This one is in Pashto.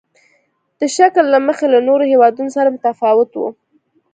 د شکل له مخې له نورو هېوادونو سره متفاوت وو.